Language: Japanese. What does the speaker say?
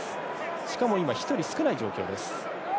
しかも今、１人少ない状況です。